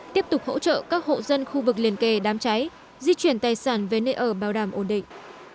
tiếp tục hỗ trợ các hộ dân khu vực liên kề đám cháy di chuyển tài sản về nơi ở bảo đảm ổn định